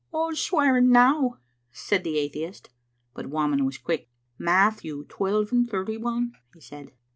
" Wha's swearing now?" said the atheist But Whamond was quick. "Matthew, twelve and thirty one," he said.